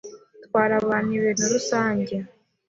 itwarabantu ibintu rusange